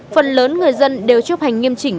phần lớn người dân đều chấp hành nghiêm chỉnh